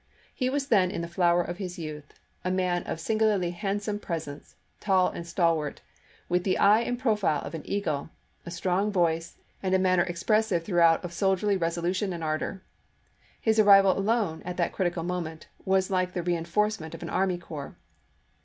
He was then in the flower of his youth, a man of singularly handsome presence, tall and stalwart, with the eye and profile of an eagle, a strong voice, and a manner expressive throughout of soldierly resolution and ardor. His arrival alone, at that critical moment, was like the rein forcement of an army corps.